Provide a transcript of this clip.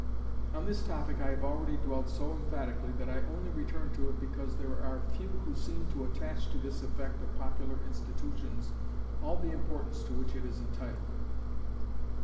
On this topic I have already dwelt so emphatically that I only return to it because there are few who seem to attach to this effect of popular institutions all the importance to which it is entitled.